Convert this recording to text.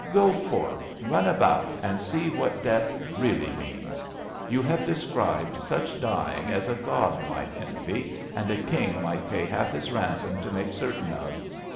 Go forth, run about and see what death really means. Tou have described such dying as a god might envy and a long might pay half his ransom to make certaia of.